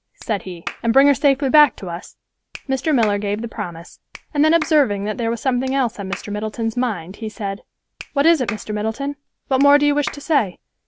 said he, "and bring her safely back to us?" Mr. Miller gave the promise, and then observing that there was something else on Mr. Middleton's mind, he said, "What is it, Mr. Middleton? What more do you wish to say?"